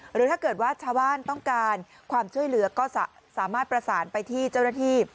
หรือถ้าเกิดว่าชาวบ้านต้องการความช่วยเหลือก็สามารถประสานไปที่เจ้าหน้าที่